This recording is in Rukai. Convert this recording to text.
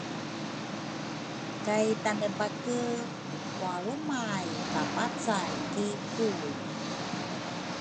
kay Tanebake walrumay papacay ki Kui.